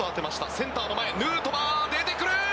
センターの前ヌートバー、出てくる！